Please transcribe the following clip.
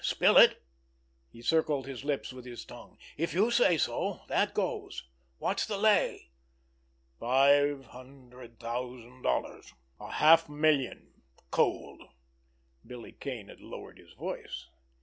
Spill it!" He circled his lips with his tongue. "If you say so, that goes! What's the lay?" "Five hundred thousand dollars—a half million—cold"—Billy Kane had lowered his voice.